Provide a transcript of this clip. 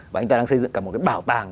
và anh ta đang xây dựng cả một cái bảo tàng